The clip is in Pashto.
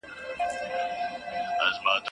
له ماهيپره يې ګزار کړې!